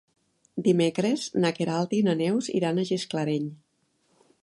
Dimecres na Queralt i na Neus iran a Gisclareny.